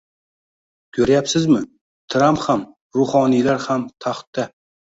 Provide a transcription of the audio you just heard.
Ko'ryapsizmi, Tramp ham, ruhoniylar ham taxtda